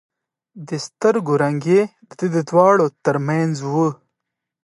د سترګو رنگ يې د دې دواړو تر منځ و.